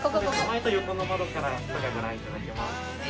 前と横の窓から外がご覧頂けます。